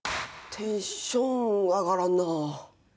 テンション上がらんなあ。